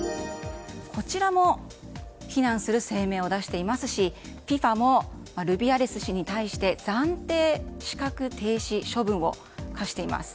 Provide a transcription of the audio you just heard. こちらも非難する声明を出していますしＦＩＦＡもルビアレス氏に対して暫定資格停止処分を発しています。